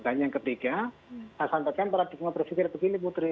dan yang ketiga saya sampaikan para tokoh berpikir begini putri